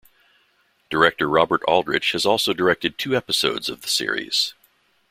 Director Robert Aldrich had also directed two episodes of the series.